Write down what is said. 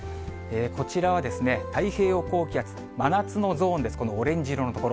こちらは太平洋高気圧、真夏のゾーンです、このオレンジ色の所。